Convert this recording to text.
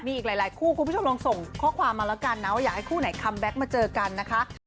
มีอีกหลายคู่คุณผู้ชมลองส่งข้อความมาแล้วกันนะว่าอยากให้คู่ไหนคัมแก๊กมาเจอกันนะคะ